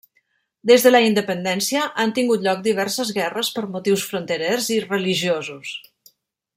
Des de la independència han tingut lloc diverses guerres per motius fronterers i religiosos.